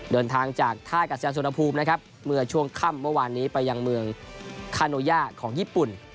เดินทางจากท่ากัศยาสุนภูมินะครับเมื่อช่วงค่ำเมื่อวานนี้ไปยังเมืองคาโนยาของญี่ปุ่น